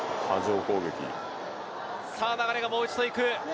流がもう一度行く。